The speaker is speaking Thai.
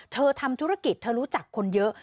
ทำธุรกิจเธอรู้จักคนเยอะ